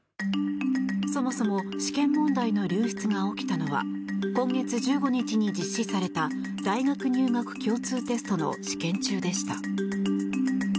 そもそも試験問題の流出が起きたのは今月１５日に実施された大学入学共通テストの試験中でした。